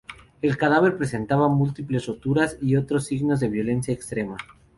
El cadáver presentaba múltiples roturas y otros signos de violencia extrema.